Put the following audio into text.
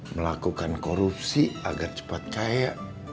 melakukan korupsi agar cepat kaya